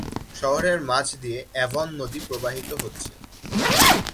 শহরের মাঝ দিয়ে অ্যাভন নদী প্রবাহিত হচ্ছে।